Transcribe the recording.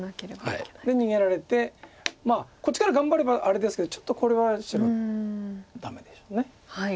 で逃げられてこっちから頑張ればあれですけどちょっとこれは白ダメでしょう。